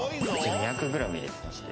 ２００ｇ入れてまして。